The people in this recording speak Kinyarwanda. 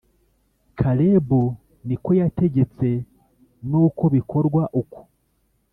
Karebu ni ko yategetse nuko bikorwa uko